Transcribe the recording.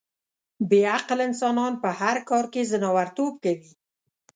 بې عقل انسانان په هر کار کې ځناورتوب کوي.